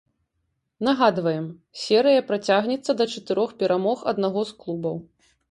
Нагадаем, серыя працягнецца да чатырох перамог аднаго з клубаў.